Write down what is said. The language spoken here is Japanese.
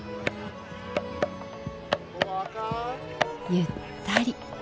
ゆったり。